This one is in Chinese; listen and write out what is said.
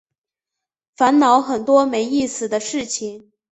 烦恼很多没意思的事情